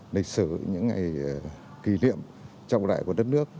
lịch sử những ngày kỷ niệm trong loại của đất nước